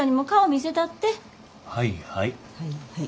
はいはい。